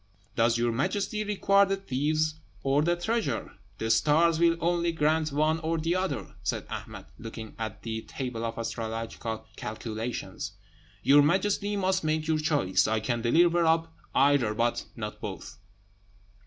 "Does your Majesty require the thieves or the treasure? The stars will only grant one or the other," said Ahmed, looking at his table of astrological calculations. "Your Majesty must make your choice. I can deliver up either, but not both."